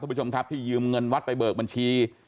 ผู้ชมครับที่ยืมเงินวัดไปเบิกบัญชี